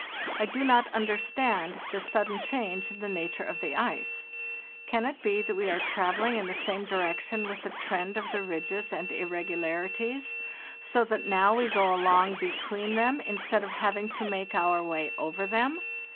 I do not understand this sudden change in the nature of the ice. Can it be that we are travelling in the same di rection with the trend of the ridges and irregularities, so that now we go along between them instead of having to make our way over them?